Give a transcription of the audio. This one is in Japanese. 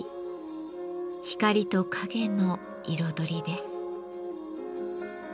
光と陰の彩りです。